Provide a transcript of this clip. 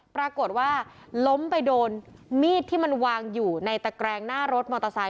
ปรากฏว่าล้มไปโดนมีดที่มันวางอยู่ในตะแกรงหน้ารถมอเตอร์ไซค